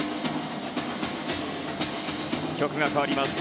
曲が変わります。